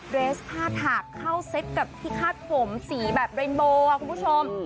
เรสผ้าถากเข้าเซตกับที่คาดผมสีแบบเรนโบคุณผู้ชม